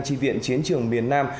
chi viện chiến trường miền nam